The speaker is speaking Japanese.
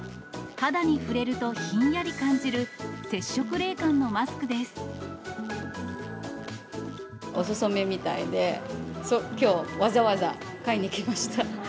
肌に触れるとひんやり感じる、お勧めみたいで、きょう、わざわざ買いに来ました。